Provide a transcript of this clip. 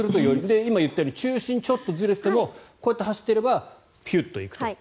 今言ったように中心がちょっとずれててもこうやって走っていればピュッと行くと。